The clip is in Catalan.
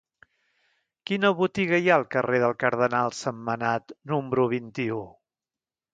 Quina botiga hi ha al carrer del Cardenal Sentmenat número vint-i-u?